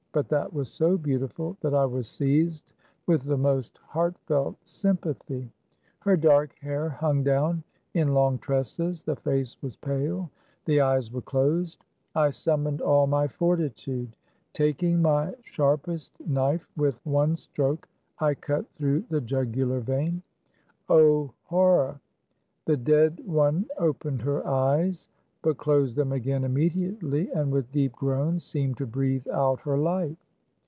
But that was so beautiful that I was seized with the most heartfelt sympathy. Her dark hair hung down in long tresses ; the face was pale; the eyes were closed. I summoned all my fortitude. Taking my sharpest knife, with one stroke, I cut through the jugular vein. O, horror ! the dead one opened her eyes, but closed them again immediately, and with deep groans, seemed to breathe out her life.